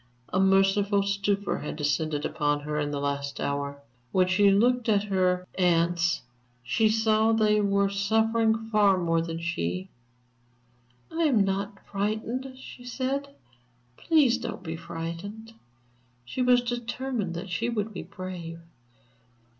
A merciful stupor had descended upon her in the last hour; when she looked at her aunts, she saw that they were suffering far more than she. "I am not frightened," she said, "please don't be frightened." She was determined that she would be brave.